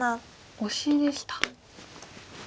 オシでした。